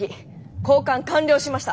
交換完了しました。